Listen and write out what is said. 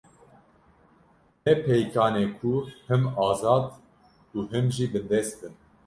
Ne pêkan e ku him azad û him jî bindest bin